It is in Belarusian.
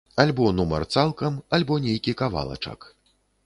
Альбо нумар цалкам, альбо нейкі кавалачак.